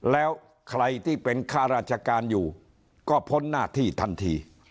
แล้วใครที่เป็นข้าราชการอยู่ก็พ้นหน้าที่ทันที